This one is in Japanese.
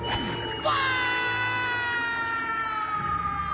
わ！